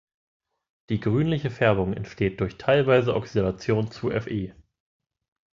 Die grünliche Färbung entsteht durch teilweise Oxidation zu Fe.